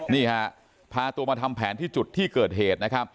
นี่ฮะพาตัวมาทำแผนที่จุดที่เกิดเหตุนะครับ